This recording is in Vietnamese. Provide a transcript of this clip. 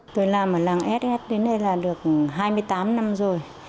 tôi làm ở làng ss đến nay là được hai mươi tám năm rồi